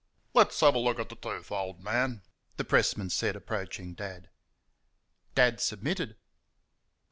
"Let's have a look at the tooth, old man," the pressman said, approaching Dad. Dad submitted.